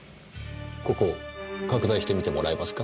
ここ拡大してみてもらえますか？